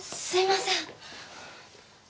すいません。